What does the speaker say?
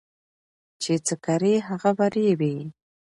چي څه کرې هغه به رېبې